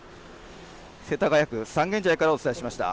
世田谷区三軒茶屋からお伝えしました。